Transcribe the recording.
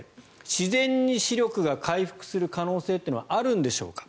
自然に視力が回復する可能性はあるんでしょうか。